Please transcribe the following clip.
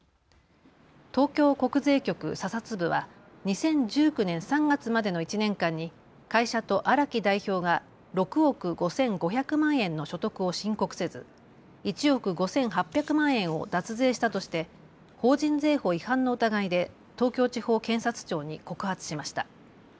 東京国税局査察部は２０１９年３月までの１年間に会社と荒木代表が６億５５００万円の所得を申告せず１億５８００万円を脱税したとして法人税法違反の疑いで東京地方検察庁に告発しました。